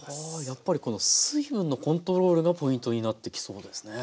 やっぱりこの水分のコントロールがポイントになってきそうですね。